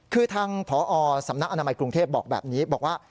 คือทางพอสำนักอนามัยกรุงเทพบอกแบบนี้บอกว่า